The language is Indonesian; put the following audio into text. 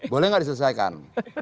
boleh nggak diselesaikan